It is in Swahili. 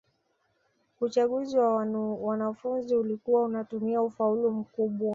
uchaguzi wa wanafunzi ulikuwa unatumia ufaulu mkubwa